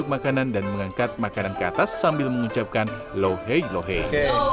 mereka mengaduk makanan dan mengangkat makanan ke atas sambil mengucapkan lo hei lo hei